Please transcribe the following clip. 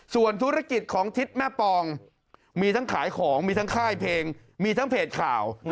ส่วนธุรกิจของทิศแม่ปองมีทั้งขายของมีทั้งค่ายเพลงมีทั้งเพจข่าว